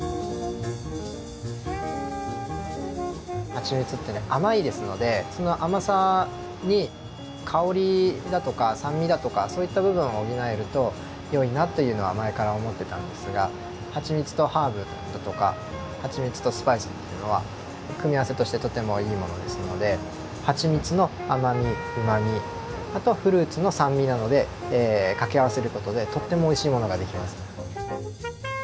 はちみつってね甘いですのでその甘さに香りだとか酸味だとかそういった部分を補えると良いなというのは前から思ってたんですがはちみつとハーブだとかはちみつとスパイスというのは組み合わせとしてとてもいいものですのではちみつの甘みうまみあとフルーツの酸味などで掛け合わせることでとってもおいしいものができます。